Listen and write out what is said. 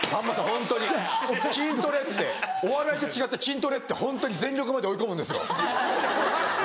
ホントに筋トレってお笑いと違って筋トレってホントに全力まで追い込むんですよ。